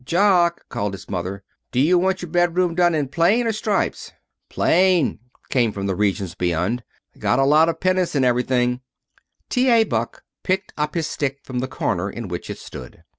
"Jock," called his mother, "do you want your bedroom done in plain or stripes?" "Plain," came from the regions beyond. "Got a lot of pennants and everything." T. A. Buck picked up his stick from the corner in which it stood.